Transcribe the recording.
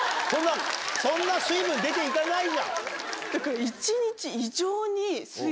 そんな水分出て行かないじゃん。